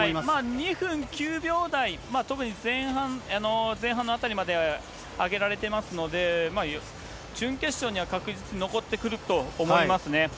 ２分９秒台、特に前半、前半のあたりまでは上げられてますので、準決勝には確実に残ってくると思いますね。